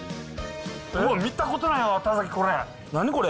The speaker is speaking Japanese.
見たことないわ、田崎、これ何？